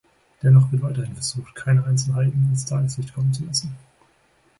Dennoch wird weiterhin versucht, keine Einzelheiten ans Tageslicht kommen zu lassen.